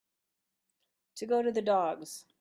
To go to the dogs